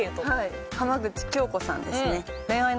浜口京子さんですね。